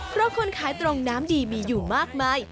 เพราะคนขายตรงน้ำดีมีอยู่มากมาย